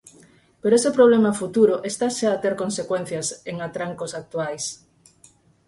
Pero ese problema futuro está xa a ter consecuencias en atrancos actuais.